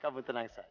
kamu tenang saja